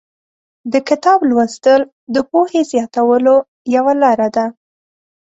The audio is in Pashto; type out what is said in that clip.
د کتاب لوستل د پوهې زیاتولو یوه لاره ده.